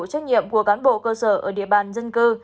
trách nhiệm của cán bộ cơ sở ở địa bàn dân cư